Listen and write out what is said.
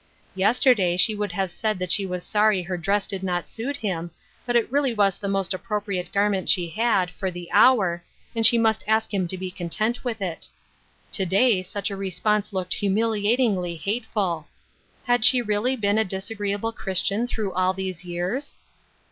Yester day she would have said that she was sorry her dress did not suit him, but it really was the most appropriate garment" she had, for the hour, and she must ask him to be content with it. To day such a response looked humiliatingly hateful. Had she really been a disagreeable Christian through all these years